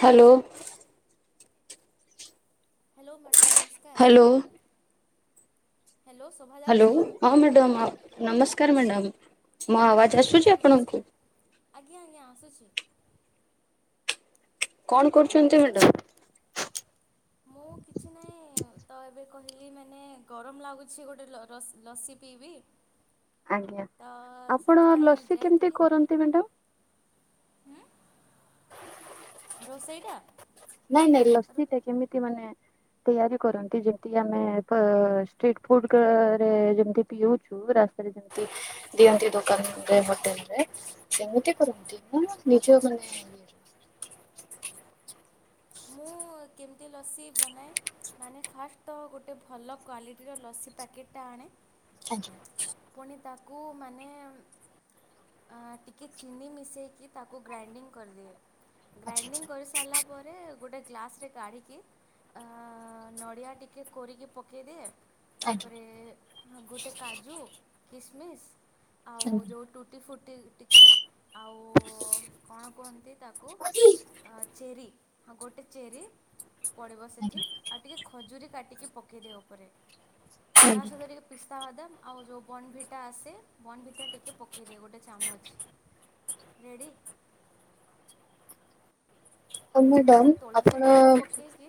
Hello. Hello madam ନମ hello. Hello Shobha hello ଯାଉଛି ହଁ ମ୍ୟାଡ଼ାମ୍ ନମସ୍ କାର୍ ମ୍ୟାଡ଼ାମ୍। ମୋ ଆବାଜ୍ ହଁ ଆସୁଛି ମ୍ୟାଡ଼ାମ୍ ଆପଣଙ୍କୁ? ନମସ୍କାର। ଆଜ୍ଞା ଆଜ୍ଞା ଆସୁଛି। କଣ କରୁଛନ୍ତି ମ୍ୟାଡାମ୍? ମୁଁ କିଛି ନାହିଁ ତ ଏବେ କହିଲି ମାନେ ଗରମ ଲାଗୁଛି ଗୋଟେ ଲ ଲ ଲସି ପିଇବି ଆଜ୍ଞା ତ ଆପଣ ସେଥିପାଇଁ ଲସି କେମିତି ଯାଇଥିଲି କରନ୍ତି ମ୍ୟାଡ଼ାମ୍? ହୁଁ [inaudible] ସେଇଟା? ନାଇଁ ନାଇଁ ଲସି ଟା କେମିତି ମାନେ ତିଆରି କରନ୍ତି ଯେମତି ଆମେ ଏକ ଷ୍ଟ୍ରିଟ୍ ଫୁଡ୍ ରେ ଯେମିତି ପିଉଛୁ ରାସ୍ତାରେ ଯେମତି ଦିଅନ୍ତି ଦୋକାନରେ ହୋଟେଲରେ ସେମିତି କରନ୍ତି ନା ନିଜ ମାନେ ଇଏ ରେ? [inaudible] ମୁଁ କେମିତି ଲସି ବନାଏ ମାନେ ଫାଷ୍ଟ୍ ତ ଗୋଟେ ଭଲ କ୍ୱାଲିଟୀର ଲସି ପ୍ୟାକେଟ୍ ଟା ଆଣେ ଆଜ୍ଞା। କୁ ମାନେ ଆଁ ଟିକେ ଚିନି ମିଶେଇକି ତାକୁ ଗ୍ରାଇଣ୍ଡିଙ୍ଗ୍ କରିଦେଵେ ଗ୍ରାଇଣ୍ଡିଙ୍ଗ୍ କରି ସାରିଲା ପରେ ଗୋଟେ ଗ୍ଲାସରେ କାଢିକି ଆଁ ନଡିଆ ଟିକେ କୋରିକି ପକେଇଦିଏ ତାପରେ ଗୋଟେ କାଜୁ କିସମିସ୍ ଆଉ ଯୋଉ ଟୁଟି ଫୁ ଟି ଟିକେ ଆଉ କଣ କୁହନ୍ତି ତାକୁ ଆଁ ଚେରି। ହଁ ଗୋଟେ ଚେରୀ ପଡ଼ିବ ସେଠି ଆଉ ଟିକେ ଖଜୁରୀ କାଟି କି ପକାଇଦିଏ ଉପରେ। ତା ସହିତ ଟିକେ ପିସ୍ତାବାଦାମ ଆଉ ଯୋଉ ବର୍ଣ୍ଣଭିଟା ଆସେ ବର୍ଣ୍ଣଭିଟା ଟିକେ ପକେଇଦିଏ ଗୋଟେ ଚାମଚ୍। ରେଡ୍ଡୀ? ସେଠି ମ୍ୟାଡ଼ାମ ଗୋଟେ ତୁଳସୀ ଆପଣ ପତ୍ର ପକେଇକି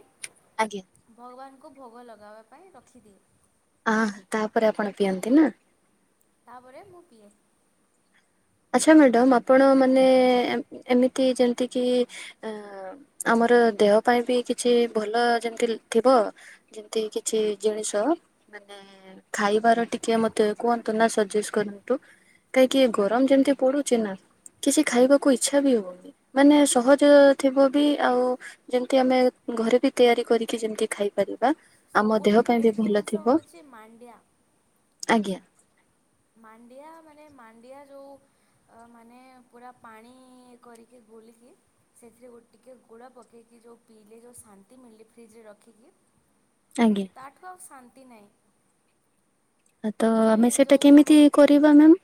ଆଜ୍ଞା ଭଗବାନ ଙ୍କୁ ଭୋଗ ଲଗାହେବା ପାଇଁ ରଖିଦିଏ। ଆହାଃ ତାପରେ ଆପଣ ପିଅନ୍ତି ନା? ତାପରେ ମୁଁ ପିଏ। ଆଚ୍ଛା ମ୍ୟାଡ଼ମ୍ ଆପଣ ମାନେ ଏମ୍ ଏମିତି ଯେମିତି କିି ଆଁ ଆମର ଦେହ ପାଇଁ ବି କିଛି ଭଲ ଯେମିତି ଥିବ ଯେମିତି କିଛି ଜିନିଷ ମାନେ ଖାଇବାର ଟିକେ ମତେ କୁହନ୍ତୁ ନା ସଜେଷ୍ଟ୍ କରନ୍ତୁ କାହିଁକି ଗରମ ଯେମତି ପଡୁଚି ନା କିଛି ଖାଇବାକୁ ଇଚ୍ଛା ବି ହଉନି ମାନେ ସହଜ ଥିବ ବି ଆଉ ଯେମତି ଆମେ ଘରେ ବି ତିଆରି କରିକି ଯେମତି ଖାଇପାରି ସବୁଠୁ ବେଷ୍ଟ୍ ଜିନିଷ ହଉଛି ମାଣ୍ଡିଆ। ଆଜ୍ଞା। ମାଣ୍ଡିଆ ମାନେ ମାଣ୍ଡିଆ ଯୋଉ ମାନେ ପୁରା ପାଣି କରିକି ଗୋଲିକି ସେଥିରେ ଗୋ ଟିକେ ଗୁଡ଼ ପକେଇକି ଯୋଉ ପିଇଲେ ଯୋଉ ଶାନ୍ତି ମିଲେ ଫ୍ରିଜ ରେ ରଖିକି ଆଜ୍ଞା ତାଠୁ ଆଉ ଶାନ୍ତି ଶାନ୍ତି ନାହିଁ। ତ ପୁଣି ଆମେ ସେଇଟା ଯେଉଁ ଆମ କେମିତି କରିବା ମ୍ୟାମ୍?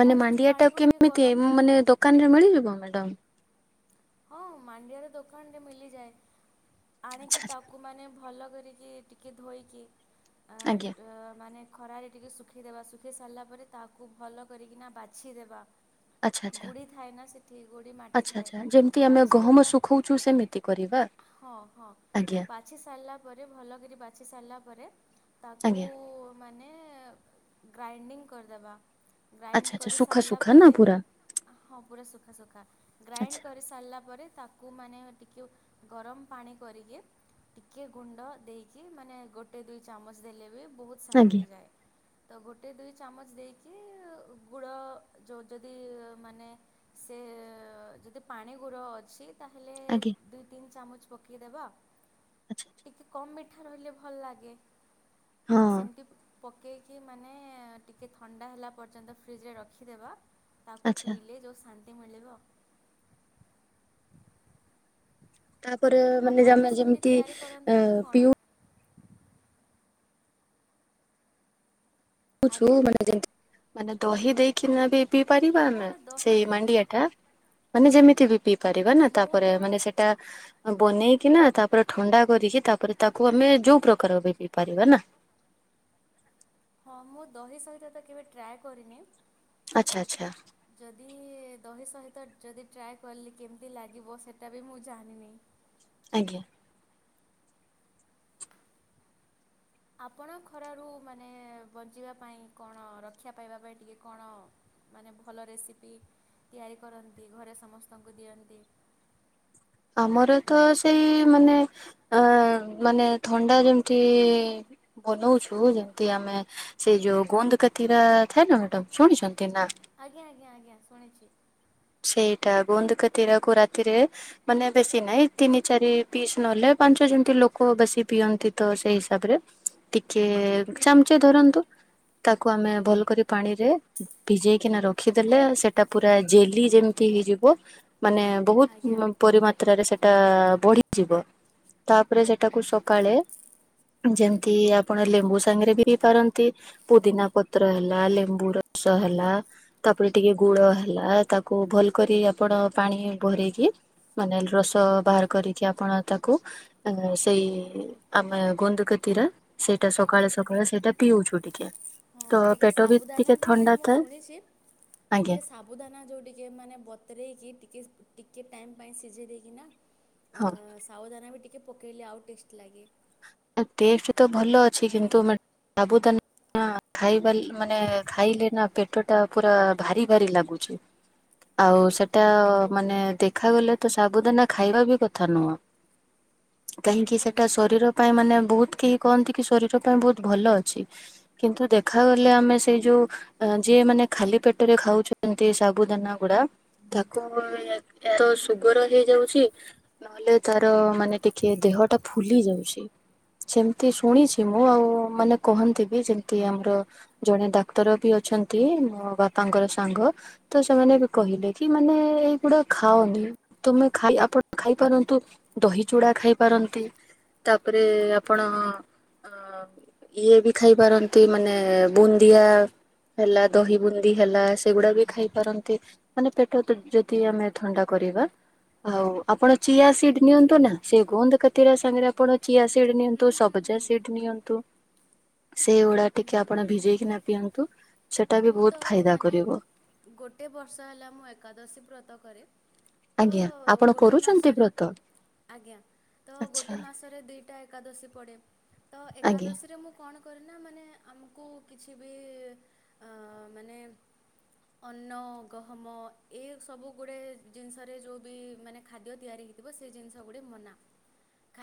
ମାନେ ଫାଷ୍ଟ ମାଣ୍ଡିଆ ଟା ପାଣିକୁ ଟିକେ କେମିତି ଗରମ ମାନେ ଦୋକାନରେ ମିଳିଯିବ? ମ୍ୟାଡ଼ମ। ହଁ ମାଣ୍ଡିଆର ଦୋକାନରେ ମିଲିଯାଏ। ଆଚ୍ଛା ଆଣିକି ତାକୁ ମାନେ ଭଲ କରିକି ଟିକେ ଧୋଇକି ଆଜ୍ଞା। ମାନେ ଖରାରେ ଟିକେ ଶୁଖେଇଦବା ଶୁଖେଇ ସାରିଲା ପରେ ତାକୁ ଭଲ କରିକିନା ବାଛିଦେବା ଆଜ୍ଞା ଆଚ୍ଛା ଆଚ୍ଛା ଗୁଡ଼ି ଥାଏ ନା ସେ ଠି ଗୋଡ଼ି ମାଟି ଆଚ୍ଛା ଥାଏ। ଆଚ୍ଛା ଯେମିତି ଆମେ ବାଛି ଗହମ ଦେଲ ଶୁଖଉଛୁ ସେମିତି କରିବା। ହଁ ହଁ ଆଜ୍ଞା ବାଛି ସାରିଲା ପରେ ଭଲ କରି ବାଛି ସାରିଲା ପରେ ତାକୁ ଆଜ୍ଞା ମାନେ ମାନେ ଗ୍ରାଇଣ୍ଡିଙ୍ଗ କରିଦେବା। ଆଚ୍ଛା ଗ୍ରାଇଣ୍ଡ ଆଚ୍ଛା କରି ସୁଖା ସରିଲା ସୁୁଖା ନା ପରେ ପୁରା ହଁ ପୁରା ସୁଖ ସୁଖା ଆଚ୍ଛା ଗ୍ରାଇଣ୍ଡ ତାପରେ ତାକୁ ମାନେ ଟିକେ ଗରମ ପାଣି କରିକି ଟିକଏ ଗୁଣ୍ଡ ଦେଇକି ମାନେ? ଗୋଟେ ଦୁଇ ଚାମଚ ଦେଲେ ବି ବହୁତ ସାରା ଆଜ୍ଞା ହେଇଯାଏ। ତ ଗୋଟେ ଦୁଇ ଚାମଚ ଦେଇକି ଗୁଡ଼ ଯେଉଁ ଯଦି ମାନେ ସେ ଯଦି ପାଣି ଗୁଡ ଅଛି ତାହେ ଆଜ୍ଞା। ଚାମଚ ପକେଇଦବ ଆଚ୍ଛା। ଟିକେ କମ୍ କଠୁଆରହିଲେ ଭଲ ଲାଗେ। ତ ହଁ ସେମିତି ପକାଇକି ମାନେ ଟିକିଏ ଥଣ୍ଡା ହେଲା ପର୍ଯ୍ୟନ୍ତ ଫ୍ରିଜରେ ରଖିଦେବା। ତାକୁ ଆଚ୍ଛା ପିଇଲେ ଯୋଉାନ୍ତି। କେ ମିଳିବ ତାପରେ ମାନେ ଜେ ଆପଣ ବି ସେମିତି ଯେମିତି ତିଆରି କରନ୍ତି ଅ ନା କଣ? ପିଉ କଛୁ ଆଜ୍ଞା ମାନେ ଯେମିତି ମାନେ ଦହି ଦେଇକିନା ବି ଏ ପରିପାମେ ହଁ ଦହି ସେଇ ବି ମଡିଟା ମାନେ ଯେମିତି ବି ପି କରିବା ନା ମୁଁ ତ ତାପରେ ମାନେ ସେଟା ବନେଇକି ନା ତାପରେ ଥଣ୍ଡା କରିକି ତାପରେ ତାକୁ ଆମେ ଯୋଉ ପ୍ରକାର ବି ପିଇ ପାରିବା ନା ହଁ ମୁଁ ଦହି ସହିତ ତ କେବେ ଟ୍ରାଏ କରିନି ଆଛା ଆଛା। କି ଦହି ସହିତ ଯଦି ଟ୍ରାଏ କଲି କେମିତି ଲାଗିବ ସେଇଟା ବି ମୁଁ ଜାଣିନି ଆଜ୍ଞା। ଆପଣ ଖରାରୁ ମାନେ ବଞ୍ଚିବା ପାଇଁ କଣ ରକ୍ଷା ପାଇବା ପାଇଁ ଟିକେ କଣ ମାନେ ଭଲ ରେସିପି ତିଆରି କରନ୍ତି ଘରେ ସମସ୍ତଙ୍କୁ ଦିଅନ୍ତି। ଆମର ତ ସେଇ ମାନେ ଅ ମାନେ ଥଣ୍ଡା ଯେମିତି ବନଉଛୁ ଯେମିତି ଆମେ ସେଇ ଯୋଉ ଗୋନ୍ଦ କାତିରା ଥାଏ ନା ମ୍ୟାଡ ଶୁଣିଛନ୍ତି। ଆଜ୍ଞା ଆଜ୍ଞା ଆଜ୍ଞା ଶୁଣିଛି। ସେଇଟା ଗୋନ୍ଦକା ୀରାକୁ ରାତିରେ ମାନେ ବେଶୀ ନାହିଁ ତିନି ଚାରି ପିସ୍ ନହେଲେ ପାଞ୍ଚ ଯେମିତି ଲୋକ ବେଶୀ ପିଅନ୍ତି ତ ସେଇ ହିସାବରେ ଟିକେ ଚାମଚ ଧରନ୍ତୁ ତାକୁ ଆମେ ଭଲ କରି ପାଣିରେ ଭିଜେଇକିନା ରଖିଦେଲେ ସେଟା ପୁରା ଜ ଯେମିତି ହେଇଯିବ ମାନେ ଆଜ୍ଞା ବହୁତ ପରିମାତ୍ରାରେ ସେ ଟା ବଢିଯିବ ତାପରେ ସେଟାକୁ ସକାଳେ ଯେମିତି ଆପଣ ଲେମ୍ବୁ ସାଙ୍ଗରେ ବିଇ ପାରନ୍ତି ପୁଦିନା ପତ୍ର ହେଲା ଲେମ୍ବୁ ରସ ହେଲା ତାପରେ ଟିକେ ଗୁଳ ହେଲା ତାକୁ ତାକୁ ଭଲ କରି ଆପଣ ପାଣି ଭରଇକି ମାନେ ରସ ବାହାର କରିକି ଆପଣ ତାକୁ ସେଇ ଆମେ ଗୋଧୁକତିର ସେଇଟା ସକାଳେ ସକାଳେ ସେଇଟା ପିଉଛୁ ଟିକେ ତ ହଁ ଟିକେ ପେଟ ବି ସାବୁଦାନା ଟିକେ ବି ଥଣ୍ଡା ମୁଁ ଥାଏ ଶୁଣିଛି ଆଜ୍ଞା ଟିକେ ସାବୁଦାନା ଯୋଉଠିକ ଟିକେ ମାନେ ବତରୋଇକି ଟିକେ ଟିକେ ଟାଇମ୍ ପାଇଁ ସିଝେଇ ଦେଇକିନା ଅ ହଁ ସାାବଧାନ ବି ଟିକେ ଟିକେ ପକେଇଲେ ଆଉ ଟେଷ୍ଟ ଲାଗେ। ଟେଷ୍ଟ ତ ଭଲ ଅଛି ତାର କିନ୍ତୁ ସାବୁ [unintelligible] ନା ଖାଇବା ମାନେ ଖାଇଲେ ନା ପେଟ ଟା ପୁରା ଭାରି ଭାରି ଲାଗୁଛି ଆଉ ସେ ଟା ଓହୋ। ମାନେ ଦେଖାଗଲେ ତ ସବୁଦିନ ଖାଇବା ବି କଥା ନୁହଁ। କାହିଁକି ହୁଁ ସେଟା ଶରୀର ମାନେ ବହୁତ କେହି କହନ୍ତି କି ଶରୀର ପାଇଁ ବହୁତ ଭଲ ଅଛି କିନ୍ତୁ ଦେଖାଗଲେ ଆମେ ସେଇ ଯୋଉ ଯିଏ ମାନେ ଖାଲି ପେଟରେ ଖାଉଛନ୍ତି ସାବୁ ଦାନା ଗୁଡା ତାକୁ ଏତ ସୁଗର ହେଇଯାଉଛି ନହେଲେ ତାର ମାନେ ଟିକେ ଦେହଟା ଫୁଲି ଯାଉଛି। ସେମିତି ଶୁଣିଛି ମୁଁ ଆଉ ମାନେ କହନ୍ତି ବି ଯେମତି ଆମର ଜଣେ ଡାକ୍ତର ବି ଅଛନ୍ତି ମୋ ବାପାଙ୍କର ସାଙ୍ଗ ତ ସେମାନେ ବି କହିଲେ କି ମାନେ ଏଇଗୁଡା ଖାଅନି ତମେ ଖାଇ ପା ଆପଣ ଖାଇପାରନ୍ତୁ ଦହି ଚୁଡା ଖାଇପାରନ୍ତି ତା ତାପରେ ଆପଣ ଅ ଇଏ ବି ଖାଇପାରନ୍ତି ମାନେ ବୁନ୍ଦିଆ ହେଲା ଦହି ବୁନ୍ଦି ହେଲା ସେଗୁଡା ବି ଖାଇପାରନ୍ତି ମାନେ ପେଟ ଯଦି ଆମେ ଥଣ୍ଡା କରିବା ଆଉ ଆପଣ ଚିଆସିଡ ନିଅନ୍ତୁ ନା ସେ ଗୋନ୍ଦ କାତି ସାଙ୍ଗରେ ଆପଣ ଚିଆ ସିଡ୍ ହୁଁ ନିଅନ୍ତୁ ହୁଁ ହୁଁ ସବଜା ସିଡ୍ ନିଅନ୍ତୁ। ସେଇଗୁଡା ହୁଁ ଟିକେ ଆପଣ ଭିଜେଇକି ନା ପିଅନ୍ତୁ। ସେଟା ବି ମୁଁ ବହୁତ ତ ଫାଇଦା ମାନେ କରିବ ଗୋଟେ ବର୍ଷ ହେଲା ମୁଁ ଏକାଦଶୀ ବ୍ରତ କରେ। ତ ଆଜ୍ଞା ଆପଣ ଗୋଟେ କରୁଛନ୍ତି ମାସରେ ବ୍ରତ? ଆଜ୍ଞା ତ ଆଚ୍ଛା ଗୋଟେ ମାସରେ ଦିଟା ଏକା ଏକ ଏକାଦଶୀ ପଡେ। ତ ଆଜ୍ଞା ଏକାଦଶୀରେ ମୁଁ କଣ କରେନା ମାନେ ଆମକୁ କିଛି ବି ଅ ମାନେ ଅନ୍ନ ଗହମ ଏଇ ସବୁ ଗୁଡେ ଜିନିଷରେ ଯୋଉ ବି ମାନେ ଖାଦ୍ୟ ତିଆରି ହେଇଥିବ ସେ ଜିନିଷ ଗୁଡେ ମନା।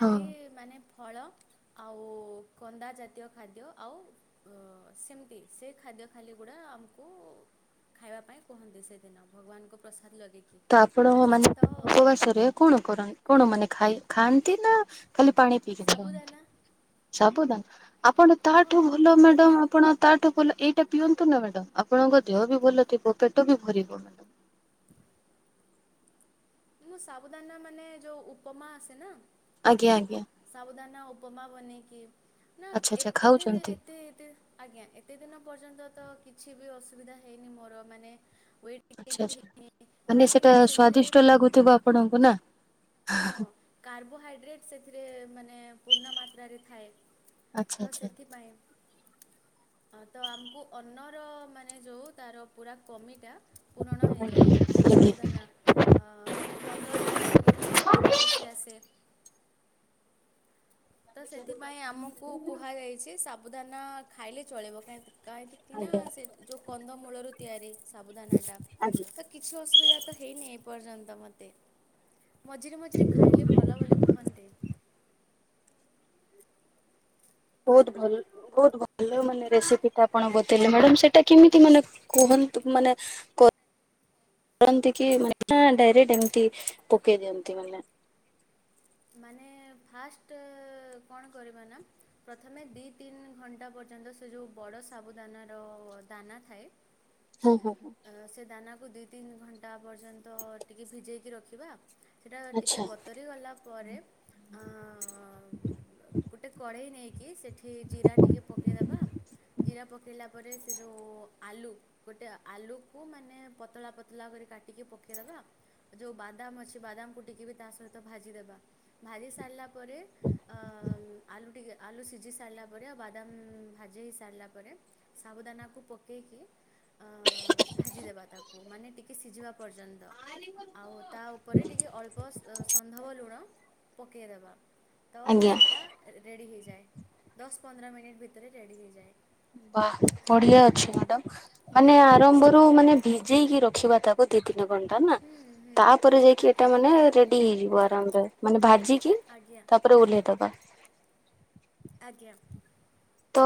ହଁ। ମାନେ ଫଳ ଆଉ କନ୍ଦା ଜାତୀୟ ଖାଦ୍ୟ ଆଉ ସେମିତି ସେ ଖାଦ୍ୟ ଖାଲିଗୁଡ଼ା ଆମକୁ ଖାଇବା ପାଇଁ କୁହନ୍ତି ସେଦିନ ଭଗବାନଙ୍କୁ ପ୍ରସାଦ ଲଗେଇ ତ ଆପଣ ମାନେ ଉପବାସରେ କଣ କରନ୍ତି କଣ ମାନେ ଖାଇ ଖାଆନ୍ତି ନା ଖାଲି ପାଣି ପିଇକି ରୁହନ୍ତି। ସାବୁଦାନା ସାବୁଦାନା। ଆପଣ ହଁ ତାଠୁ ଭଲ ଗୋଟେ ମ୍ୟାଡ଼ାମ ଆପଣ ତାଠୁ ଭଲ ଏଇ ଟ ପିଅନ୍ତୁ ନା ମ୍ୟାଡାମ ଆପଣଙ୍କ ଦେହ ବି ଭଲ ଥିବ ପେଟ ବି ଭରିବ। ମୁଁ ସାବୁଦାନା ମାନେ ଯୋଉ ଉପମା ଆସେ ନା। ଆଜ୍ଞା ଆଜ୍ଞା। ସାବୁଦାନା ଉପମା ବନେଇକି ନା ଆଚ୍ଛା ଆଚ୍ଛା ଏତେ ଖାଉଛନ୍ତି ଏତେ ଏ ଆଜ୍ଞା ଏତେ ଦିନ ପର୍ଯ୍ୟନ୍ତ ତ କିଛି ବି ଅସୁବିଧା ହେଇନି ମୋର ମାନେ ୱେଟ୍ ଗେନ୍ ଆଛା ବି ଆଛା ହେଇନି ମାନେ କାହିଁକି ସେଇଟା ନା ସେଥିରେ ସ୍ଵାଦିଷ୍ଟ ଲାଗୁଥିବ। ଆପଣଙ୍କୁ ନା ହଁ କାର୍ବୋହାଇଡ୍ରେଟ ସେଥି ରେ ମାନେ ପୂର୍ଣ୍ଣ ମାତ୍ରାରେ ଥାଏ। ଆଚ୍ଛା ତ ଆଚ୍ଛା। ସେଇଥିପାଇଁ ହ ତ ଆମକୁ ଅନର ମାନେ ଯୋଉ ତାର ପୁରା କମିଟା ପୂରଣ ଆଜ୍ଞା ହେଇଯାଏ ସାବୁଦାନା ଆଜ୍ଞା ଅ ମାନେ ପନ୍ଦର ଦିନରେ ଗୋଟେ ଏକାଦଶୀ ଆସେ। ତ ସେଥିପାଇଁ ଆମକୁ କୁହାଯାଇଛି ସାବୁଦାନା ଖାଇଲେ ଚଳିବ [unintelligible] କାହିଁକିତିନା ସେ ଯୋଉ କନ୍ଧମୂଳରୁ ତିଆରି ସାବୁଦାନା ତା ଆଜ୍ଞା। ତ କିଛି ଅଛି ସୁବିଧା ତ ହେଇନି ଏପର୍ଯ୍ୟନ୍ତ ମତେ ମଝିରେ ମଝିରେ ଖାଇଲେ ଭଲ ବୋଲି କୁହନ୍ତେ। ବହୁତ ଭଲ ବହୁତ ଭଲ ମାନେ ରେସିପି ଟା ଆପଣ ବତେଇଲେ ମାଡାମ ସେଟା କେମିତି ମାନେ କୁହନ୍ତୁ ମାନେ କର କରନ୍ତି ନା ଡାଇରେକ୍ଟ ଏମତି ପକେଇ ଦିଅନ୍ତି ମାନେ ମାନେ ଫାଷ୍ଟ କଣ କରିବା ନା ପ୍ରଥମେ ଦିଇ ତିନି ଘଣ୍ଟା ପର୍ଯ୍ୟନ୍ତ ସେ ଯେଉଁ ବଡ଼ ସାବୁଦାନାର ଦାନା ଥାଏ ହଁ ହଁ ହଁ ଅ ସେଦାନା ତାକୁ ଦୁଇ ତିନି ଘଣ୍ଟା ପର୍ଯ୍ୟନ୍ତ ଟିକିେ ଭିଜେଇକି ରଖିବା ସେଟା ଟିକେ ଆଚ୍ଛା ବତରି ଗଲା ପରେ ଗୋଟେ କଢେ ଡେଇନେଇକି ସେ ଏଠି ଜିରା ଟିକେ ପକେଇଦବା ଜିରା ପ ପକାଇଲା ପରେ ସେ ଯୋଉଁ ଆଲୁ ଗୋଟେ ଆଲୁକୁ ମାନେ ପତଳା ପତଳା କରି କାଟିକି ପକେଇଦେବା ଯୋଉଁ ବାଦାମ ଅଛି ବାଦାମକୁ ଟିକିବି ତା ସହିତ ଭାଜିଦେବା ଭାଜି ସାରିଲା ପରେ ଆଲୁଟିକେ ଆଲୁ ସିଝି ସାରିଲା ପରେ ଆଉ ବାଦାମ ଭାଜି ହେଇସାରିଲା ପରେ ସାବୁଦାନାକୁ ପକାଇକି ଅ ଭାଜିଦେବା ତାକୁ ମାନେ ଟିକେ ସିଝିବା ପର୍ଯ୍ୟନ୍ତ। ଆଉ ତା ଉପରେ ଟିକେ ଅଳ୍ପ ସନ୍ଧବ ଲୁଣ ପକେଇେ ଦେବା ତ ଆଜ୍ଞା। ସେଟା ରେଡି ହେଇଯାଏ। ଦଶ ପନ୍ଦର ମିନିଟ ଭିତରେ ରେଡି ହେଇଯାଏ। ବା ବଢିଆ ଅଛି ମ୍ୟାଡାମ ମାନେ ଆରମ୍ଭରୁ ମାନେ ଭିଜେଇକି ରଖିବା ତାକୁ ଦି ତି ତିନି ଘଣ୍ଟା ନା ହୁଁ ହୁଁ ତାପରେ ଯାଇକି ଏଇଟା ଆଜ୍ଞା ମାନେ ରେଡି ହେଇଯିବ [unintelligible] ମାନେ ଭାଜି ଭାଜିକି ଆଜ୍ଞା ତାପରେ ଓଲ୍ହେଇଦେବା ଆଜ୍ଞା ତ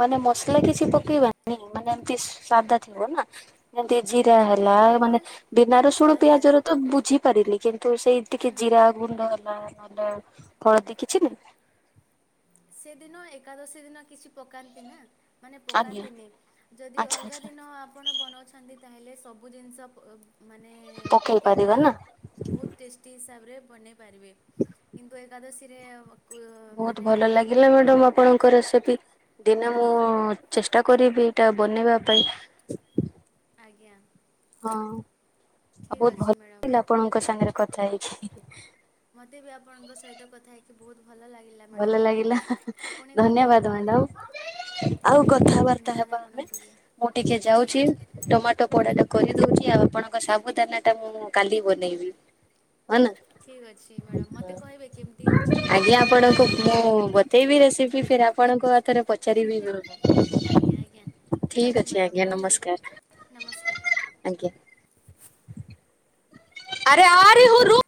ମାନେ ମସଲା କିଛି ପକେଇବାନି ମାନେ ଏମତି ସାଦା ଥିବ ନା ଯେମତି ଜିରା ହେଲା ମାନେ ନର୍ମାଲ୍ ବିନା ରସୁଣ ଆଜ୍ଞା ପିଆଜର ତ ବୁଝି ପାରିଲି କିନ୍ତୁ ସେଇ ଟିକେ ହୁଁ ଜିରା ଗୁଣ୍ଡ ହେଲା ହଳଦୀ କିଛି ନୁହୁଁ। ସେଦିନ ଏକାଦଶୀ ଦିନ କିଛି ପକାନ୍ତି ନା ମାନେ ଆଜ୍ଞା ପକାନ୍ତିନି ଯଦି ଆଚ୍ଛା ଅଲଗା ଆଚ୍ଛା ଦିନ ଆପଣ ବନଉଛନ୍ତି ତାହେଲେ ସବୁ ଜିନିଷ ମାନେ ପକେଇ ପାରିବା ପକେଇକି ନା ବହୁତ ଟେଷ୍ଟି ହିସାବରେ ବନେଇ ପାରିବେ କିନ୍ତୁ ଏକାଦଶୀ ସେ ହବ ବହୁତ ଭଲ ଲାଗେ ମ୍ୟାଡାମ ଆପଣଙ୍କ ରେସିପି ଦିନେ ମୁଁ ଚେଷ୍ଟା କରିବି ଏଇଟା ବନେଇବା ପାଇଁ ଆଜ୍ଞା। ହଁ। ଆଉ ଠିକ୍ ବହୁତ ଅଛି ଭଲ ମ୍ୟାଡ଼ମ୍ ଥିଲା ଆପଣଙ୍କ ସାଙ୍ଗରେ କଥା ହେଇକି। ମତେ ବି ଆପଣଙ୍କ ସହିତ କଥା ହେଇକି ବହୁତ ଭଲ ଲାଗିଲା ମ୍ୟାଡ଼ମ୍ ଭଲ ଲାଗିଲା ପୁଣି କଥା ଧନ୍ୟବାଦ ହେବା ମ୍ୟାଣ୍ଡାମ ଆଉ ବହୁତ ବହୁତ କଥାବାର୍ତା ଧନ୍ୟବାଦ ହେବା ଆମେ ଆପଣଙ୍କୁ ବି ମୁଁ ଟିକେ ଆଜ୍ଞା ଯାଉଛି ଟମାଟୋ ପୋଡାଟା କୁ କରିଦଉଛି ଆଉ ଆପଣଙ୍କ ସାବୁ ଦାନା ଟା ମୁଁ କାଲି ବନେଇବି। ହଁ ନା ଠିକ୍ ଅଛି ମ୍ୟାଡାାମ ମତେ କହିବେ କେମତି କେମତି ଆଜ୍ଞା ଲାଗିଲା କଣ? ମୁଁ ଆପଣଙ୍କୁ ବତେଇବି ରେସିପି କି ଫରେ ଆପଣଙ୍କ ରେ ପଚାରିବି ଆଜ୍ଞା ଆଜ୍ଞା ଠିକ୍ ଠିକ ଅଛି ମ୍ୟାଡ଼ାମ୍ ଆଜ୍ଞା ରହିଲି ନମସ୍କାର ନମସ୍କାର। ଆଜ୍ଞା। ଆରେ ଆରେ ହୁ ରୁ